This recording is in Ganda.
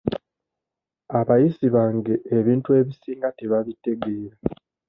Abayizi bange ebintu ebisinga tebabitegeera.